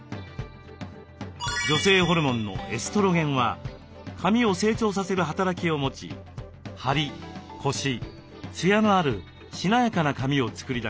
女性ホルモンのエストロゲンは髪を成長させる働きを持ちハリコシツヤのあるしなやかな髪を作り出します。